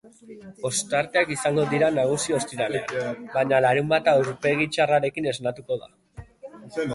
Ostarteak izango dira nagusi ostiralean, baina larunbata aurpegi txarrarekin esnatuko da.